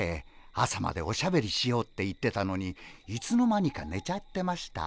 朝までおしゃべりしようって言ってたのにいつの間にかねちゃってました。